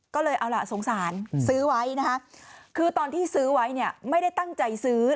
ก็เลยเอาล่ะสงสารซื้อไว้นะคะคือตอนที่ซื้อไว้เนี่ยไม่ได้ตั้งใจซื้อ